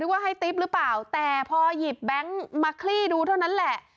ว่าให้ติ๊บหรือเปล่าแต่พอหยิบแบงค์มาคลี่ดูเท่านั้นแหละ